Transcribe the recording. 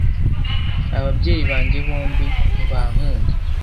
Ababyeyi banjye bombi ntibankunda.